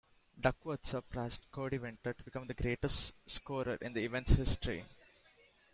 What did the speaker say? Duckworth surpassed Cody Winter to become the greatest scorer in the event's history.